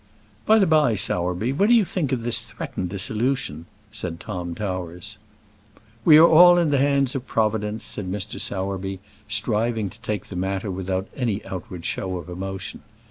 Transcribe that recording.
"By the by, Sowerby, what do you think of this threatened dissolution?" said Tom Towers. "We are all in the hands of Providence," said Mr. Sowerby, striving to take the matter without any outward show of emotion.